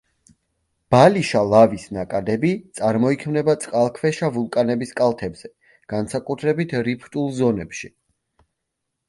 ბალიშა ლავის ნაკადები წარმოიქმნება წყალქვეშა ვულკანების კალთებზე, განსაკუთრებით რიფტულ ზონებში.